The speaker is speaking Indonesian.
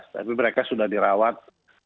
tapi mereka sudah dirawat